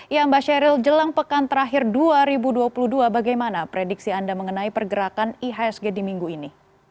ya mbak sheryl jelang pekan terakhir dua ribu dua puluh dua bagaimana prediksi anda mengenai pergerakan ihsg di minggu ini